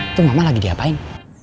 itu mama lagi diapain